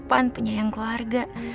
sopan penyayang keluarga